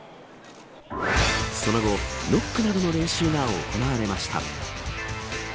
その後、ノックなどの練習が行われました。